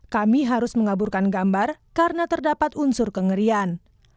kami harus mengaburkan gambar karena terdapat unsur kengerian